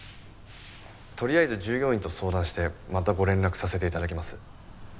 とりあえず従業員と相談してまたご連絡させて頂きます。